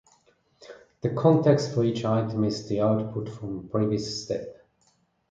The context for each item is the output from the previous step.